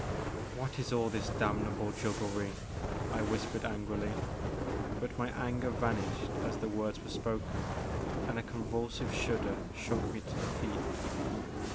What is all this damnable jugglery!'* I whispered angrily, but my anger vanished as the words were spoken, and a convulsive shudder shook me to the feet.